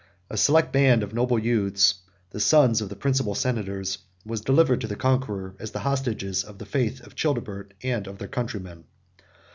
A select band of noble youths, the sons of the principal senators, was delivered to the conqueror, as the hostages of the faith of Childebert, and of their countrymen.